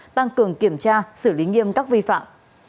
tăng cường kiểm tra xử lý nghiêm các vi phạm